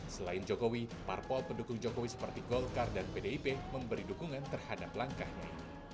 selain jokowi parpol pendukung jokowi seperti golkar dan pdip memberi dukungan terhadap langkahnya